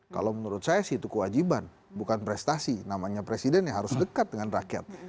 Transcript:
kalau menurut saya sih itu kewajiban bukan prestasi namanya presiden yang harus dekat dengan rakyat